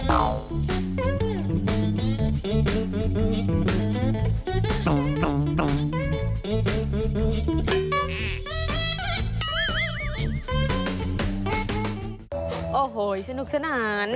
โอ้โหสนุกสนาน